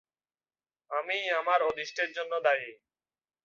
আমিই আমার অদৃষ্টের জন্য দায়ী।